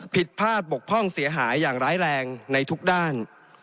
ผิดพลาดบกพร่องเสียหายอย่างร้ายแรงในทุกด้าน